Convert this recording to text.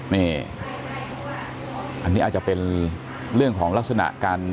นี่อันนี้อาจจะเป็นเรื่องของลักษณะการ